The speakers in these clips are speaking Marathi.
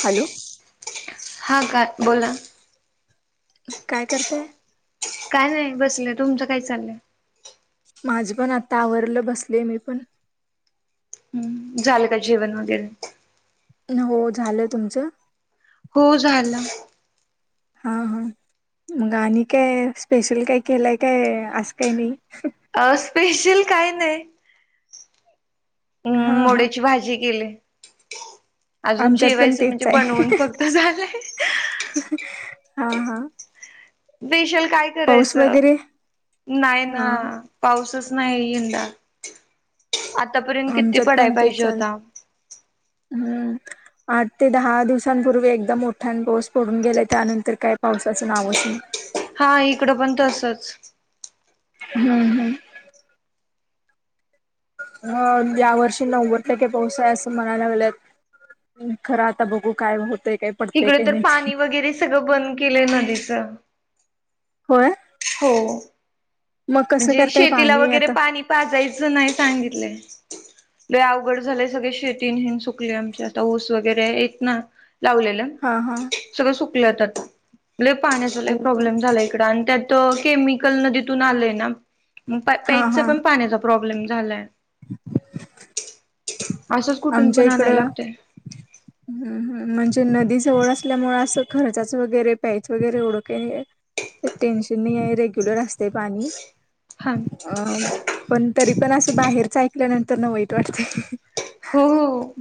हॅलो हा काकी बोला. काय करताय. काय नाही बसलं तुमचं काय चाललंय. माझ पण आता आवरलं बसले मी पण. झालं का जेवन वगैरे. हो झालं तुमचं. हो झालं. हा हा मग आणि काय स्पेशल काय केलंय काय असं काय नाही. अ स्पेशल काय नाही. म् हा हा मोडीची भाजी केली. अजून आमच्यात पण जेवायच म्हणजे तेच आहे बनवून फक्त झालंय. हा हा. स्पेशल काय पाऊस करायचं वगैरे नाही हा ना पाऊसच नाही आतापर्यंत किती आमच्यात पडाय पण ते पाहिजे चाल होता हम्म. आठ ते दहा दिवसांपूर्वी एकदम मोठाण पाऊस पडून गेला त्यानंतर काय पावसाचं नावच नाही. हा इकडं पण तसच. हम् हम ह या वर्षी नव्वद टक्के पाऊस आहे असं म्हणायला लागल्यात. खरं आता बघू काय होत. तिकडे तर पाणी वगैरे सगळं बंद केलंय नदीच. होय हो मग कसं म्हणजे करताय शेतीला पाणी वगैरे आता पाणी पाजायचं नाही सांगितलंय. लय अवघड झालेय सगळे शेती हन सुकले आमच्या आता ऊस वगैरे आहेत ना. लावलेल हा हा सगळं सुकलंत आता लय पाण्याचा लय हो का? प्रॉब्लेम झाला इकडं आणि त्यात. तर केमिकल नदीतून आलंय ना मग प हा प्यायच्या हा पण पाण्याचा प्रॉब्लेम झालाय. [inaudible] असंच कुठून आमच्या पण आणाय इकडं लागतय. हम्म हम्म म्हणजे. ते नदी जवळ असल्यामुळे असं खर्चाचं वगैरे प्यायच वगैरे एवढं काही नाही. टेन्शन नाही आहे रेग्युलर असतंय पाणी. हा अं पण तरी पण असं बाहेरच ऐकल्यानंतर ना वाईट वाटतंय. हो हो हो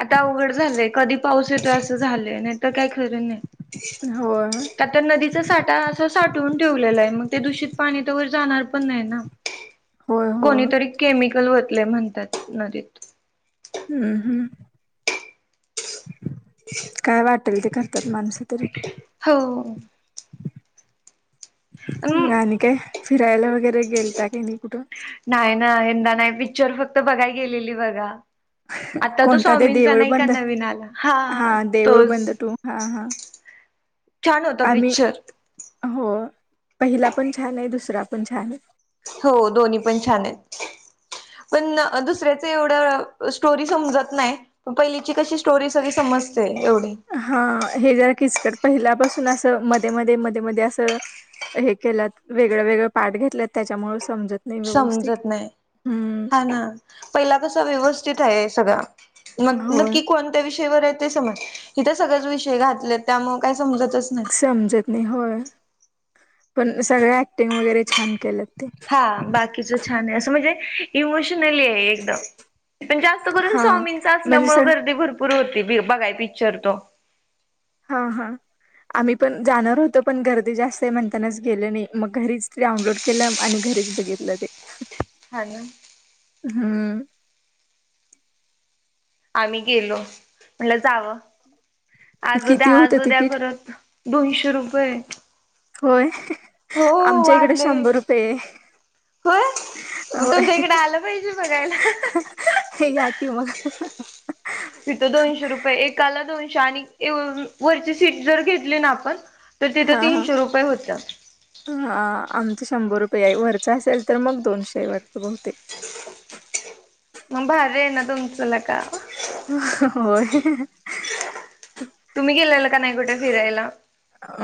आता अवघड झालंय कधी पाऊस येतोय असं झालंय नाही तर काय खरं नाही. होय आता नदीचा साठा असं साठ. ठवून ठेवलेला आहे मग ते दूषित पाणी तवर जाणार पण नाही ना. होय होय कोणीतरी केमिकल ओतले म्हणतात नदीत. हम्म हम्म काय वाटेल ते करतात माणसं तरी. हो मग नाही आणि काय फिरायला वगैरे गेलता काय नाही कुठं. नाही ना यंदा नाही पिक्चर फक्त बघाय गेलेली बघा. [inaudible] आता तो कोणता ते स्वामींचा देऊळ नाही का बंद नवीन आला हा देऊळ तोच. बंद तो हा हा. छान होता आम्ही पिक्चर हो पहिला पण छान आहे. दुसरा पण छान आहे. हो, दोन्ही पण छान आहेत. पण न दुसऱ्याचं एवढं स्टोरी समजत नाय. पहिलीची कशी स्टोरी सगळी समजते. एवढी हा, हे जरा किचकट पहिल्यापासून असं मध्ये, मध्ये, मध्ये, मध्ये असं हे केलात वेगळं वेगळं पाठ घेतल्यात त्याच्यामुळे समजत नाही व्यवस्थित समजत नाही. हम्म हा, ना पहिला कसा व्यवस्थित आहे सगळा. मग, होय नक्की कोणत्या विषयवर येते. समज इथं सगळंच विषय घातलेत त्यामुळे का समजत नाही. होय, पण सगळं ऍक्टिंग वगैरे छान केलंय. हा बाकीच छान आहे. असं म्हणजे इमोशनली आहे. एकदम, पण जास्त करून हा स्वामींचा म्हणजे स असल्यामुळे गर्दी भरपूर होतीय बघाय पिक्चर तो. हा, हा. आम्ही पण जाणार होतो पण गर्दी जास्त म्हणतानाच गेल नाही. मग घरीच डाउनलोड केलं आणि घरीच बघितला ते. हा ना हम्म. आम्ही गेलो. म्हटलं जावं आज उद्या किती होतं आज उद्या तिकीट करत दोनशे रुपये होय. हो आमच्या इकडे वाढलंय शंभर रुपये हे. होय मग तुमच्या इकडे आलं पाहिजे बघायला. या की मग तिथं दोनशे रुपये एकाला दोनशे [unintelligible] वरची सीट जर घेतली ना आपण तर तिथं हा हा. तीनशे रुपये होतं. हा आमचं शंभर रुपये आहे वरच असेल तर मग दोनशे वाटत बहुतेक. मग भारी आहे ना तुमचं लेका. होय तुम्ही गेलेला का नाही कुठे फिरायला?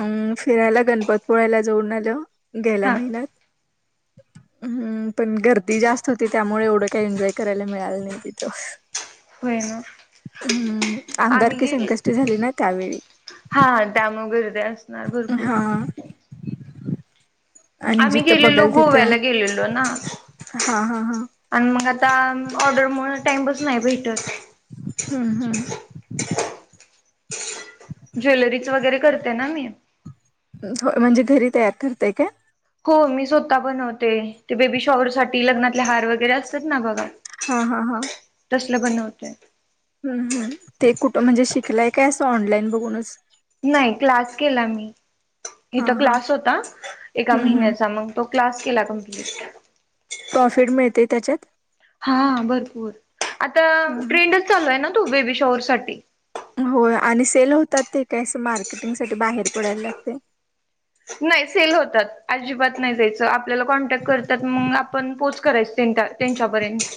अंम फिरायला गणपतीपुळ्याला जाऊन आलो गेल्या हा महिन्यात. हम्म पण गर्दी जास्त होती, त्यामुळे एवढं काही एन्जॉय करायला मिळाल नाही तिथं. हम्म [unintelligible] आम्ही अंगारकी गेलो संकष्टी झाली ना त्यावेळी हा त्यामुळे गर्दी असते. हां भरपूर. हा. [inaudible] आणि आम्ही जिथं गेलेलो बघाल तिथं गोव्याला गेलेलो ना. हा हा हा आणि मग आता ऑर्डर मुळे टाइमच नाही भेटत. हम्म हम्म. ज्वेलरीच वगैरे करते ना मी. हो, म्हणजे घरी तयार करतय काय? हो, मी स्वतः बनविते. ते बेबी शॉवरसाठी, लग्नातले हार वगैरे असतात ना बघा. हाहाहा. बनविते [unintelligible] हम्मह, ते कुठं म्हणजे शिकलाय काय? असं ऑनलाईन बघूनच. नाही क्लास केला मी, हा इथं हा क्लास होता एका हम्म हम्म महिन्याचा मग तो क्लास केला कंप्लीट. प्रॉफिट मिळते त्याच्यात? हा, भरपूर आता हम्म ट्रेंडच चालू आहे ना तू बेबी शॉवरसाठी. होय, आणी सेल होतात ते काय असं मार्केटिंग साठी बाहेर पडायला लागतंय. नाही, सेल होतात अजिबात नाही जायचं आपल्याला कॉन्टॅक्ट करतात. मग आपण पोच करायचं त्यां त्यांच्यापर्यंत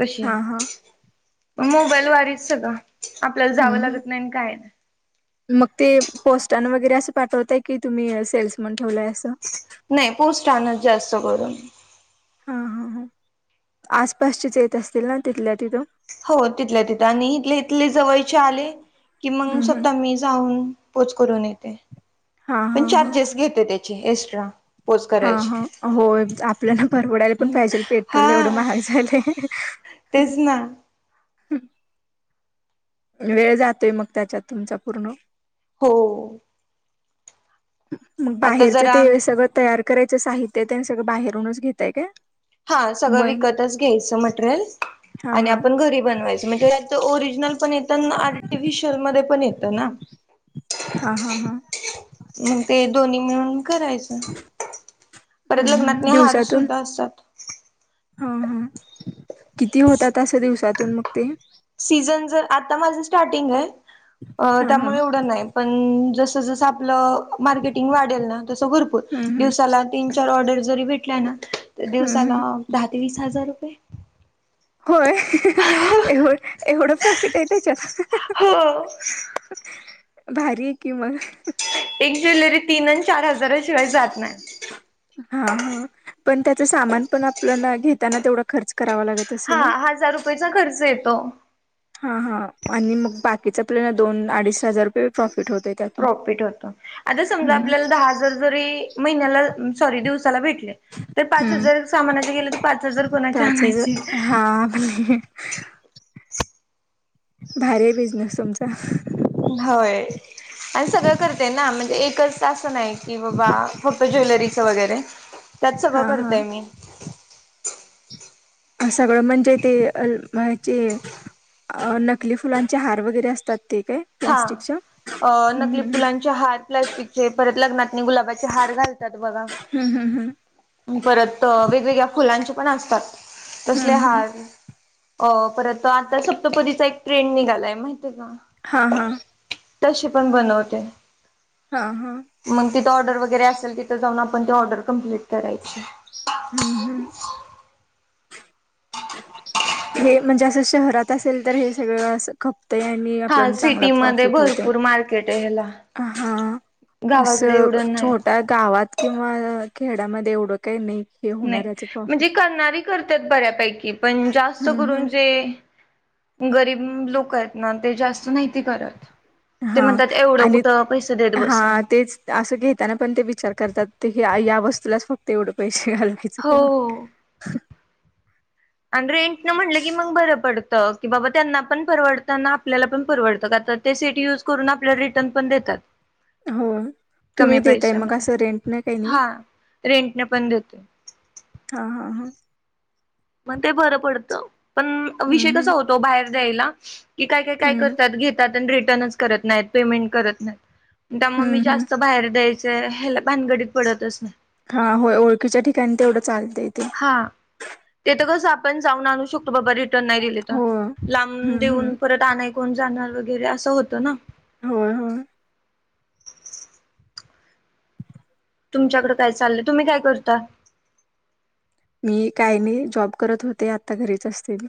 तशी हा हा मोबाईल वारीच सगळं. आपल्याला हम्म जावं हम्म लागत नाही काय नाही. मग ते पोस्टाने वगैरे असं पाठवीताय की तुम्ही सेल्समन ठेवलंय असं. नाही पोस्ट आण जास्त करून हा हा ह आसपासचेच येत असतील ना तिथल्या तिथून हो तिथल्या तिथं आणि इथले इथले जवळचे आले की मग हम्म हम्म स्वतः मी जाऊन ो करून येते हा पण हा हा चार्जेस घेते त्याची एस्ट्रा हा हा हो आपल्याला परवडाय पण पाहिजे पेट्रोल एवढं हा महाग झालंय तेच ना ह वेळ जातोय मग त्याच्यात तुमचा पूर्ण हो मग आता बाहेरचं जरा ते सगळं तयार करायचं साहित्य तेन सगळं बाहेरूनच घेताय काय हा सगळं मग विकतच घ्यायचं मटेरियल हा आणि हा आपण घरी बनवायचं म्हणजे ओरिजनल पण येत आर्टििशल म पण येत ना हा हा हा म ते दोन्ही मिळून करायचं परत हम्म हम्म लग्नातने हार दिवसातून सुद्धा असतात हा हा किती होतात असे दिवसातून मग ते सीझन जर आता माझं स्टार्टिंग आहे हा हा त्यामुळे एवढं नाही पण जस जस आपल मार्केटिंग वाढल ना तस भरपूर हम्म हम्म दिवसाला तीन चार ऑर्डर जरी भेटल्या ना तर हम्म दिवसाला हम्म दहा ते वीस हजार रुपये होय एव एवढं प्रॉफिट आहे त्याच्यात हो भारी कि मग एक ज्वेलरी तीन आणि चार हजाराशिवाय जात नाही हा हा पण त्याच सामान पण आपल्या घेताना तेवढा खर्च करावा लागत हा असेल ना हजार रुपययाचा खर्च येतो हा हा आणि मग बाकीचा प्लन दोन अडीच हजार रुपये प्रॉफ प्रॉफिट होत आता समजा हम्म आपल्याला दहा हजार जरी महिन्याला सॉरी दिव भेटले पाच हम्म हजार सामानाला गेले तर पाच हजार कोणा आणायचे ह भारी बिझनेस तुमचा होय आणि सगळं करते ना म्हणजे एकच असं नाही की बाबा फक्त ज्वेलरीच वगैरे त्यात सगळं हा हा करतय मी सगळं म्हणजे ते अ म्हचे अ नकली फुलांचे हार वगैरे असतात ते काय हा प्लास्टिकच्या नकली हम्म फुलांचे हात प्लास्टिकचे परत लग्ना गुलाबाचे हार घालतात बगा हम्म हम्म हम्म परत वेगवेगळे फुलांचे पण असतात तसले हम्म हम्म हार अ परत आता सप्तपदीचा एक ट्रेंड निघालाय माहितीय का ह हा तसे पण बनवते हा हा मग तिथं ऑर्डर वगैरे असेल तिथ जाऊन आपण ऑर्डर कमप्लीट करायची हम्म हम्म हे म्हणजे असं शहरात असेल तर हे सगळं अस खप नी आपल्या हा चांगला सिटीमध्ये प्रॉफिट होतोय भरपूर मार्केट आहे ह्याला हा गावाकडे असं एवढं नाही. छोट्या गावात किंवा खेड्यामध्ये एवढं काही नाही हे नाही होणार याचं प्रॉफिट म्हणजे करणारी करतात बऱ्यापैकी पण जास्त हम्म करून हम्म जे गरीब लोक आहेत ना ते जास्त नाहीती करत ते हा म्हणतात एवढं आणि कुठं पै हा तेच असं घेताना पण ते विचार करतात ते या वस्तूलाच फक्त तेवढं पैसे घालवायचं का हो. ना आणि रेंट न म्हणलं की मग बरं पडतं की बाबा त्यांना पण परवडतना आपल्याला पण परवडतं का ते सीट युज करून आपल्याला रिटर्न पण देतात हो तुम्ही कमी दताय मग पैशामध्ये असं रेंट नाही काही नाही हा रेंटने पण देते हा हा हा मग ते बरं पडतं पण विषय हम्म हम्म कसा होतो बाहेर दयला कि काय काय काय हम्म करतात घेतात आणि रिटर्नच करत नाहीत पेमेंट करत नाहीत त्या मग हम्म मी हम्म जास्त बाहेर द्यायचंय ह्याला भानगडीत पडतच नाही हा होय ओळखीच्या ठिकाणी तेवढं चाल हा तेथ कस आपण जाऊन आणू शकतो बाबा र नाही दिले हो तर लांब हम्म देऊन हम्म परत आणाय कोण जाणार वगैरे असं होतं ना हो ह तुमच्याकडे काय चाललंय तुम्ही काय करता मी काय नाही जॉब करत होते आता घरीच असतील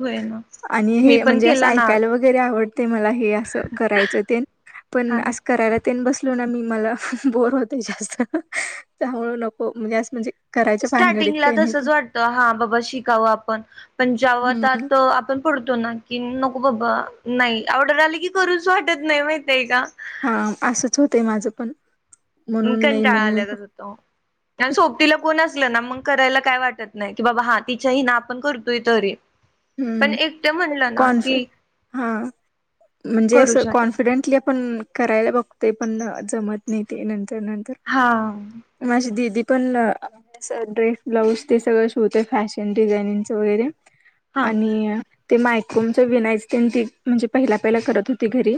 हो ना आणि मी हे पण म्हणजे असं केला ना ऐकायला वगैरे आवडते मला हे असं करायचं ते पण हा ना, असं करायला बलो मी म बो होस्त नकोे म्हज स्टार्टिंगला तसच वाटतं हा बाबा शिकावं आपण पण जेवत हम्म आपण पडतो ना की नको बाबा नाही आवर्डर आली की करूच वाटत नाही माहितय का आपण कंटाळा आलागच होत सोपतीला कोण असल ना मग करा काय वाटत नाही बा हा तिच्या ना आपण करतोय तरी पण म्हणलं ना कॉन्फि की हा म्हणजे असं करूच वाटत नाही. कॉन्फिडेंटली आपण करायला बघतो ते पण जमत नाही नंतर हा नंतर माझी दिदी पण ड्रेस ब्लाऊज ते सगळं शोवतय फॅशन डिझायनिंगच वगैरे हा आणि ते मायकोमच विनायच ती म्हणजे पहिला पहिला करत होती घरी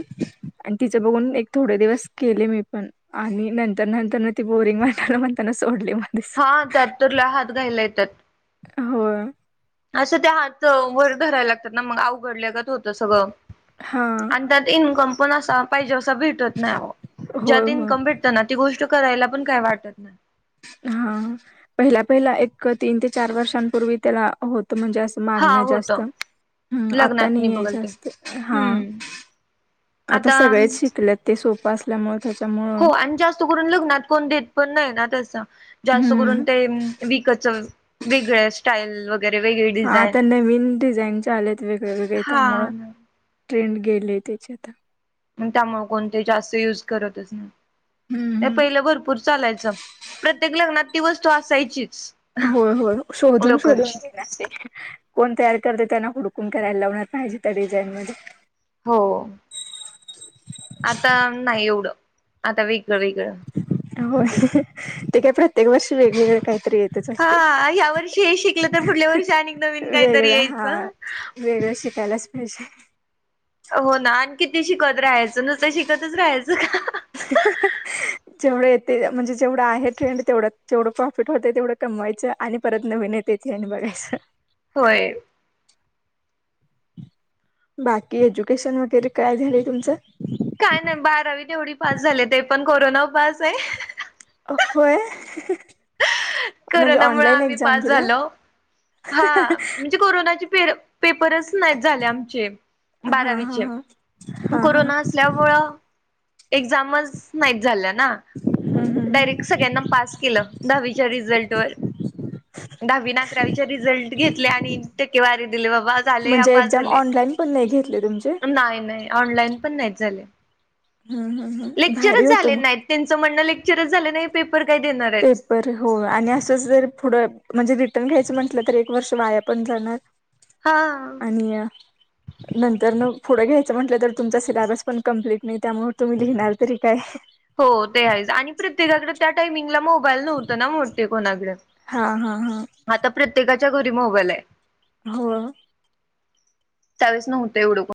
आणि तिचं बघून एक थोडं दिवस केले मी पण आणि नंतर नंतर म ती बोरिंग वा म्हणताना सोडली हा त्यात तरला हात घायला येतात हो असं त्या हात वर धरायला लागतात ना मग अवघडल्यागत होतं सगळं हा आणि त्यात इन्कम पण असा पाहिजे असा भेटत नाही ज्या होय तन हो कं भिटत ना ती गोष्ट करायला पण काही वाटत नाही हा पहिला पहिला एक तीन ते चार वर्षांपूर्वी त्याला होत म्हणजे असं हा मागण जास्त् होतं आता लग्नात मी नाही आहे बघल ते जास्त हा हम्म आता सगळेच शिकलेत ते सोपं अस हो आणि जास्त करून लग्नात कोण देत पण नाही ना तसं जा करून हम्म ते विक वेगळ स्टाईल व हाता नवीन डिझाईन आलेत वेगळेवेगळे हा त्यामुळं ट्रेंड गेले त्याची आता त्यामुळे कोणते जास्त युज करतच ना हम्म हे हम्म पहिलं भरपूर चालायचं प्रत्येक लग्नात ती वस्तू असायचीच हो हो शोधून शोधून लोकरची घेणार कोण तयार करते त्यांना हुडकून करायला लावणार पाहिजे त्या डिझाईन मध्ये हो आता नाही एवढं आता वेगळं वेगळं होय ते काय प्रत्येक वर्षी वेगवेगळ काही येतच असते हा ह्या वर्षी हे शिकलं तर पुढल्या वर्षी आणि नवीन काहीतरी वेगळा हा यायचं वेगळ शिक त्यालासपश हो ना आणखी ते शिकत राहायचं नुसत शिकतच राहायचं का ते म्हणजे जेवढं आहे ट्रेंड तेवढ जेवढं प्रॉफिट होते तेवढं कमवायचं आणि परत नवीन तेथ्रेंड बघाय अससं होय बाकी एज्युकेशन वगैरे काय झालंय तुमचं काय नाही बारावी तेवढी पास झाली ते पण कोरोना पास आहे होय म्हणजे करोना मुळे ऑनलाईन आम्ही एक्झाम पास दिला झालो हा म्हणजे कोरोनाची फेर पेपरच नाही झाले आमचे हा हा हा बारावीचे हा हा कोरोना असल्यामुळं एक्झामच नाही झाल्या ना हम्म डायरेक्ट सगळ्यांना पास केलं दहावी रिझल्टवर दहावीने अकरावीचे रिझल्ट घेतले आणि टक्केवारी दिले बाबा झाले या म्हणजे पास एक्झाम झाले पण ऑनलाईन नाही घेतले तुमचे ऑनलाइन पण नाही झाले हम्म हम्म हम्म भारी लेक्चरच होतं झाले मग नाही त्यांचं म्हण लेक्चरच झा नाही काय देणार आहेत पेपर हो आणि असं जर पुढं म्हणजे पण घ्यायचं म्हटलं तर एक वर्ष वाया पण जाणार हा आणि नंतर न पुढं घ्यायचं म्हटलं तर तुमचा सिलेबस पण कंप्लीट नाही त्यामुळे तुम्ही लिहिणार तरी काय हो ते आहेच आणि प्रत्येकाकडे त्या टायमिंगला मोबाईल नव्हतं ना मोठे कोणाकडे हा हा हा आता प्रत्येकाच्या घरी मोबाईल आहे हो त्या वेळेस नव्हतं एवढं कोण